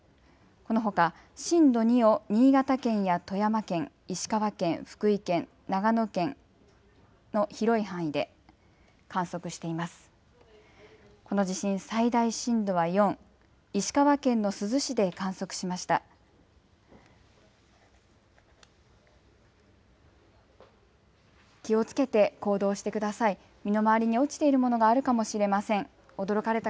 この地震、最大震度は４、石川県の珠洲市で観測しました。